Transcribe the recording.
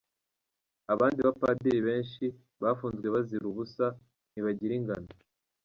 Abandi bapadiri benshi, bafunzwe bazira ubusa, ntibagira ingano.